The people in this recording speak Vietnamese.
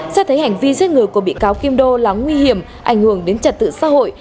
xét thấy hành vi giết người của bị cáo kim đô là nguy hiểm ảnh hưởng đến trật tự xã hội